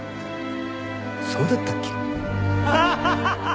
そうだったっけ？